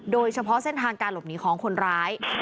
โดยเฉพาะเส้นทางการหลบหนีของคนร้าย